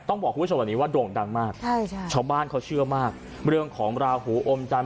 ต้องบอกคุณผู้ชมวันนี้ว่าโด่งดังมากชาวบ้านเขาเชื่อมากเรื่องของราหูอมจันทร์